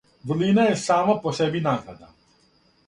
Врлина је сама по себи награда.